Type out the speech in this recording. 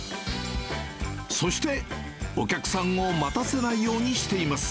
そして、お客さんを待たせないようにしています。